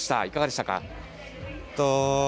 いかがでしたか？